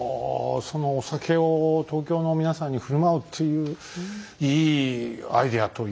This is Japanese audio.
そのお酒を東京の皆さんに振る舞うといういいアイデアというか。